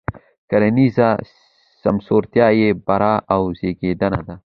کرنیزه سمسورتیا یې بره او زېږنده ده.